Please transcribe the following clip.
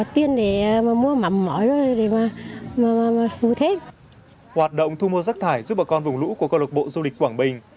trên tinh thần tự nguyện các thành viên công lộc bộ du lịch quảng bình